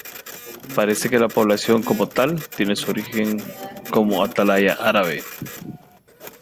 Parece que la población como tal, tiene su origen como atalaya árabe.